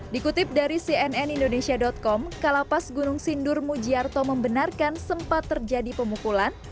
dikutip dari cnn indonesia com kalapas gunung sindur mujiarto membenarkan sempat terjadi pemukulan